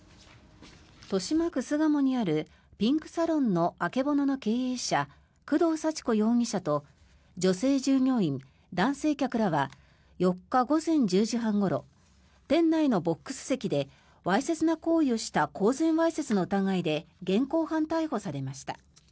豊島区巣鴨にあるピンクサロンの曙の経営者工藤幸子容疑者と女性従業員、男性客らは４日午前１０時半ごろ店内のボックス席でわいせつな行為をした公然わいせつの疑いで現行犯逮捕されました。